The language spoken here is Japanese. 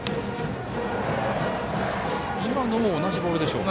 今のも同じボールでしたか。